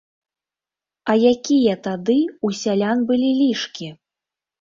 А якія тады ў сялян былі лішкі?!